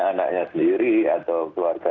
anaknya sendiri atau keluarga